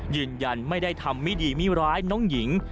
ยืนยันไม่ได้ทำไม่ดีไม่ร้ายน้องหญิง